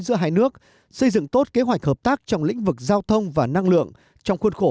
giữa hai nước xây dựng tốt kế hoạch hợp tác trong lĩnh vực giao thông và năng lượng trong khuôn khổ